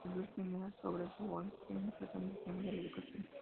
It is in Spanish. Las dos primeras obras de Wollstonecraft tratan el tema de la educación.